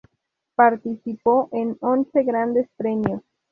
Participó en once Grandes Premios.